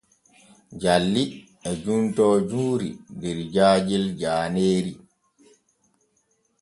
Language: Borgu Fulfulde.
Jalli e juntoo juuri der jaajel jaaneeri.